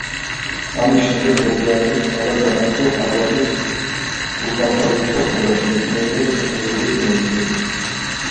ამის შემდეგ, მოგვიანებით სწავლა განაგრძო ჰარვარდის კურსდამთავრებულთა სკოლაში მეცნიერება და ტექნოლოგიების მიმართულებით.